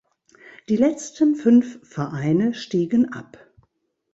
Die letzten fünf Vereine stiegen ab.